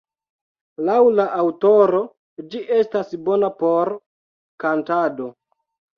Laŭ la aŭtoro, ĝi estas bona por kantado.